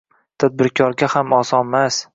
Tadbirkorga ham osonmas.